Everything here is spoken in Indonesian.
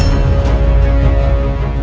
aku ingin ayahmu menurunkan